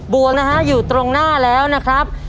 วงนะฮะอยู่ตรงหน้าแล้วนะครับ